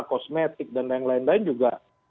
kosmetik dan lain lain juga